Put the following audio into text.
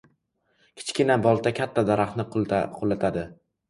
• Kichkina bolta katta daraxtni qulatadi.